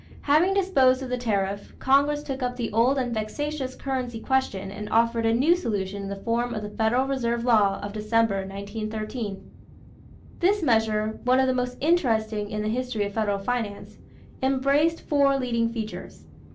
Having disposed of the tariff, Congress took up the old and vexatious currency question and offered a new solution in the form of the federal reserve law of December, 1913. This measure, one of the most interesting in the history of federal finance, embraced four leading features.